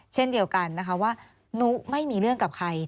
เช่นเดียวกันนะคะว่านุไม่มีเรื่องกับใคร